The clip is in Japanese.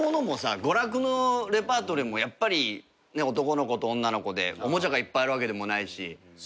もさ娯楽のレパートリーもやっぱり男の子と女の子でおもちゃがいっぱいあるわけでもないし。